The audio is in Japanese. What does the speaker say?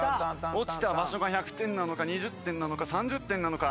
落ちた場所が１００点なのか２０点なのか３０点なのか。